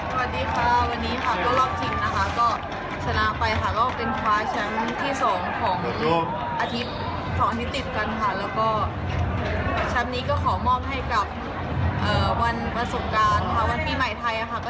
การทำงานได้ค่อนข้างจะดีค่ะและอาจจะขึ้นเป็นมือ๒ของโลกค่ะ